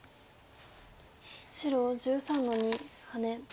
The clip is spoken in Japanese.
白１３の二ハネ。